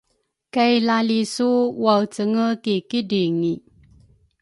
kay lalisu waecenge ki kidringi.